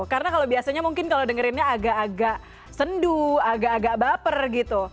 karena kalau biasanya mungkin kalau dengerinnya agak agak sendu agak agak baper gitu